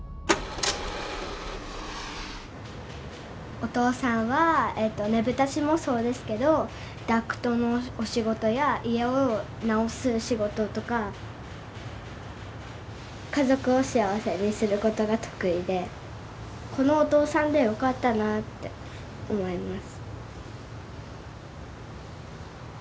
お父さんはねぶた師もそうですけどダクトのお仕事や家を直す仕事とか家族を幸せにすることが得意でこのお父さんで良かったなって思います